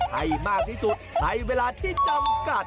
ให้มากที่สุดในเวลาที่จำกัด